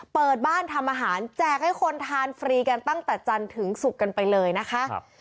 เปิดบ้านทำอาหารแจกให้คนทานฟรีกันตั้งแต่จันทร์ถึงศุกร์กันไปเลยนะคะ